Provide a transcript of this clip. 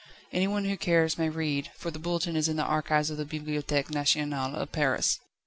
Anyone who cares may read, for the Bulletin is in the Archives of the Bibliothèque Nationale of Paris.